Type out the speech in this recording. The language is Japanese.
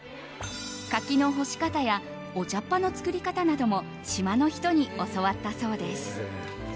カキの干し方やお茶っ葉の作り方なども島の人に教わったそうです。